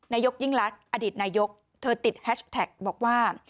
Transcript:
นายกรัฐมนตรีอดิตนายกรัฐมนตรีเธอติดแฮชแท็กบอกว่า